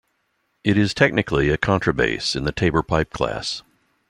It is technically a contrabass in the tabor pipe class.